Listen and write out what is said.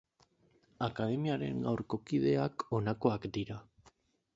Akademiaren gaurko kideak honakoak dira.